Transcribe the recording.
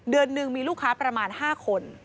เดือนหนึ่งมีลูกค้าประมาณ๕คน